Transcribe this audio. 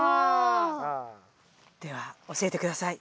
では教えてください。